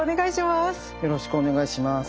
よろしくお願いします。